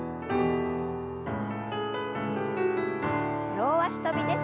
両脚跳びです。